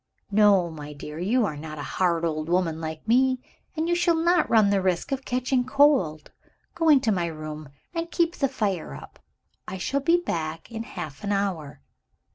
"No, my dear. You are not a hard old woman like me and you shall not run the risk of catching cold. Go into my room, and keep the fire up. I shall be back in half an hour.